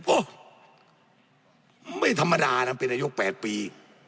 โอ้ไม่ธรรมดานะเป็นอายุ๘ปี